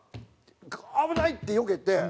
危ない！ってよけて。